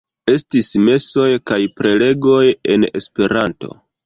Estis mesoj kaj prelegoj en Esperanto.